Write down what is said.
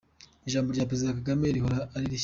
Ijambo rya Perezida Kagame rihora ari rishya